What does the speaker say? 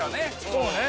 そうね。